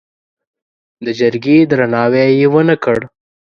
د جرګې درناوی یې ونه کړ.